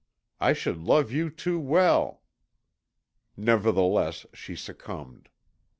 I should love you too well...." Nevertheless she succumbed.